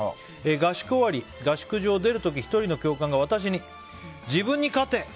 合宿終わり、合宿所を出る時１人の教官が私に、自分に勝て！